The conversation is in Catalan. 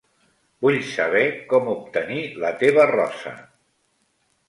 Vull saber com obtenir la teva rosa.